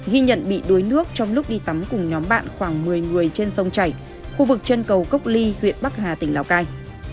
ghi nhận bị đuối nước trong lúc đi tắm cùng nhóm bạn khoảng một mươi người trên sông chảy khu vực chân cầu cốc ly huyện bắc hà tỉnh lào cai